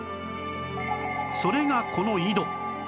それがこの井戸